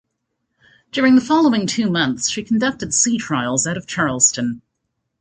During the following two months, she conducted sea trials out of Charleston.